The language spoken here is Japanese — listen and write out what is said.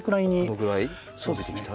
このぐらい伸びてきたら。